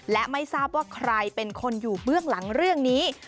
และไม่ทราบว่าใครเป็นคนอยู่เบื้องหลังเรื่องนี้